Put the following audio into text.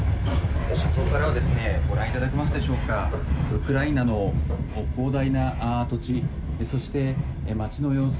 車窓からはご覧いただけますでしょうかウクライナの広大な土地そして、街の様子